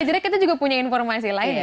jadi kita juga punya informasi lain ya